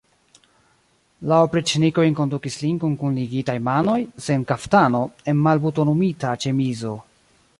La opriĉnikoj enkondukis lin kun kunligitaj manoj, sen kaftano, en malbutonumita ĉemizo.